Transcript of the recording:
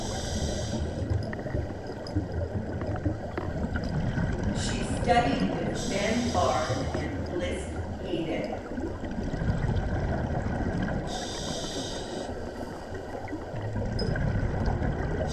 She studied with Ben Bard and Bliss-Hayden.